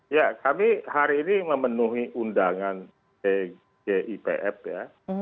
ya kami hari ini memenuhi undangan tgipf ya